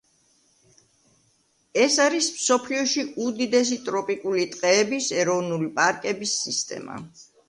ეს არის მსოფლიოში უდიდესი ტროპიკული ტყეების, ეროვნული პარკების სისტემა.